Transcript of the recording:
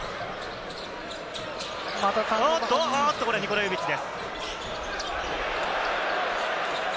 ニコラ・ヨビッチです。